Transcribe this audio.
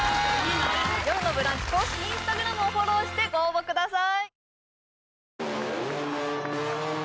「よるのブランチ」公式Ｉｎｓｔａｇｒａｍをフォローしてご応募ください